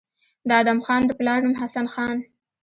د ادم خان د پلار نوم حسن خان